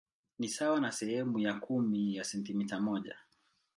Ni sawa na sehemu ya kumi ya sentimita moja.